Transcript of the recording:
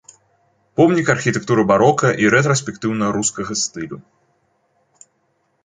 Помнік архітэктуры барока і рэтраспектыўна-рускага стылю.